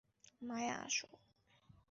মায়া, আসো।